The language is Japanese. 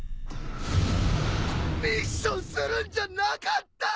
ミッションするんじゃなかった！